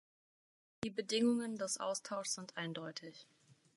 Die Bedingungen des Austauschs sind eindeutig.